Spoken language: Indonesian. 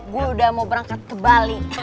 gue udah mau berangkat ke bali